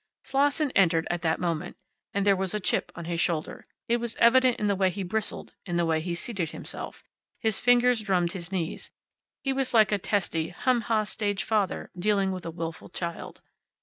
Slosson entered at that moment. And there was a chip on his shoulder. It was evident in the way he bristled, in the way he seated himself. His fingers drummed his knees. He was like a testy, hum ha stage father dealing with a willful child.